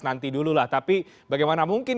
nanti dulu lah tapi bagaimana mungkin